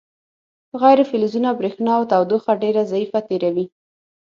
غیر فلزونه برېښنا او تودوخه ډیره ضعیفه تیروي.